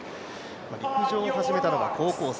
陸上を始めたのが高校生。